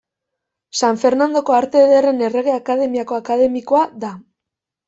San Fernandoko Arte Ederren Errege Akademiako akademikoa da.